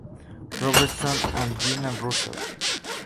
Robertson and Jenna Russell.